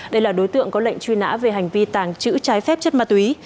đây là đối tượng có lệnh truy nã về hành vi tàng trữ trái phép chất ma túy